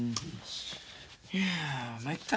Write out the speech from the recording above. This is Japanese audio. いや参った。